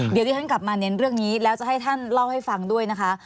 เดี๋ยวที่ฉันกลับมาเน้นเรื่องนี้แล้วจะให้ท่านเล่าให้ฟังด้วยนะคะ